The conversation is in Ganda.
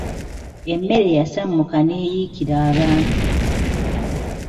Emmere yasammuka n'eyikira abantu.